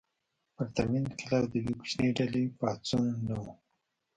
پرتمین انقلاب د یوې کوچنۍ ډلې پاڅون نه و.